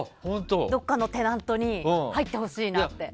どこかのテナントに入ってほしいなって。